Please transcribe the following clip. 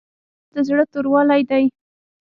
وسله د زړه توروالی دی